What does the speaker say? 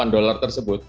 delapan dolar tersebut